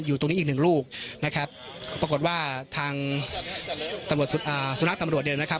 อยู่ตรงนี้อีกหนึ่งลูกนะครับปรากฏว่าทางสุนัขตำรวจเดียวนะครับ